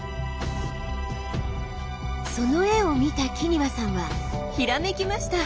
その絵を見た木庭さんはひらめきました。